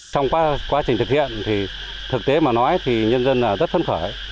trong quá trình thực hiện thực tế mà nói thì nhân dân rất thân khởi